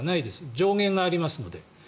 上限がありますので。